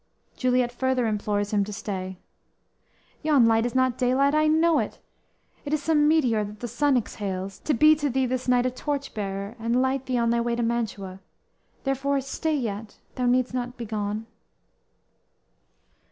"_ Juliet further implores him to stay: _"Yon light is not daylight, I know it; It is some meteor that the sun exhales; To be to thee this night a torch bearer, And light thee on thy way to Mantua; Therefore stay yet, thou need'st not be gone."